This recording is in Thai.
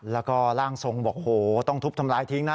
แล้วก็ร่างทรงบอกโหต้องทุบทำร้ายทิ้งนะ